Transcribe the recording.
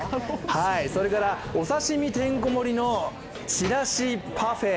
それから、お刺身てんこ盛りのちらしパフェ。